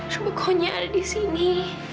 coba kau nia ada disini